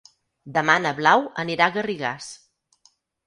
Demà na Blau anirà a Garrigàs.